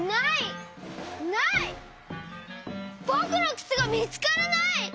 ぼくのくつがみつからない！